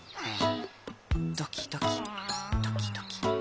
ドキドキドキドキ。